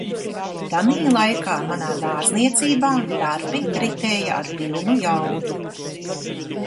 "Tanī laikā manā "dārzniecībā" darbi ritēja ar pilnu jaudu."